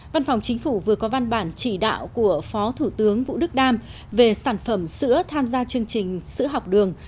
văn phòng chính phủ vừa có văn bản chỉ đạo của phó thủ tướng vũ đức đam về sản phẩm sữa tham gia chương trình sữa học đường